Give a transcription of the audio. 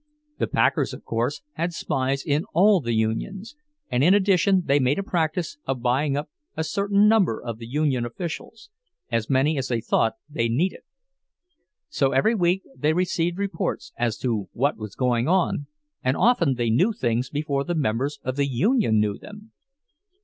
The packers, of course, had spies in all the unions, and in addition they made a practice of buying up a certain number of the union officials, as many as they thought they needed. So every week they received reports as to what was going on, and often they knew things before the members of the union knew them.